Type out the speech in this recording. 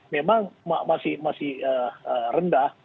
memang masih rendah